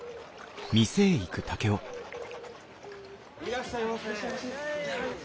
いらっしゃいませ！